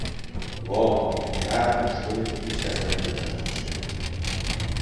وای، اینقدر مشکله که هیچکس نمیتونه انجامش بده.